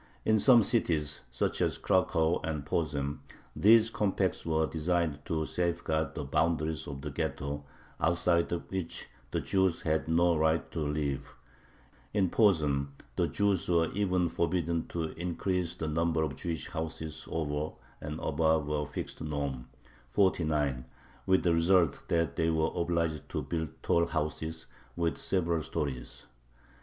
In some cities, such as Cracow and Posen, these compacts were designed to safeguard the boundaries of the ghetto, outside of which the Jews had no right to live; in Posen the Jews were even forbidden to increase the number of Jewish houses over and above a fixed norm (49), with the result that they were obliged to build tall houses, with several stories.